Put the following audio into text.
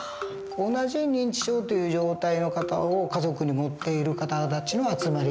同じ認知症という状態の方を家族に持っている方たちの集まり